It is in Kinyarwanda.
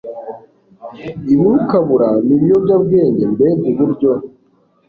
ibiwukabura nibiyobyabwenge mbega uburyo